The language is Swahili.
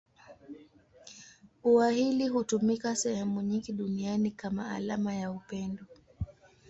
Ua hili hutumika sehemu nyingi duniani kama alama ya upendo.